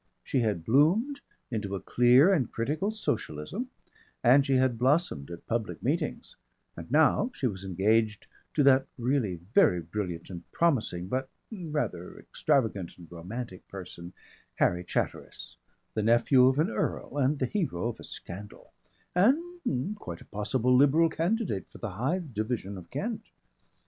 She had bloomed into a clear and critical socialism, and she had blossomed at public meetings; and now she was engaged to that really very brilliant and promising but rather extravagant and romantic person, Harry Chatteris, the nephew of an earl and the hero of a scandal, and quite a possible Liberal candidate for the Hythe division of Kent.